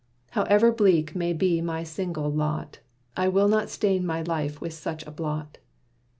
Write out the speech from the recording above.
However bleak may be my single lot, I will not stain my life with such a blot.